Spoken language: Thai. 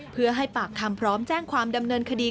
เพื่อให้ปากคำพร้อมแจ้งความดำเนินคดี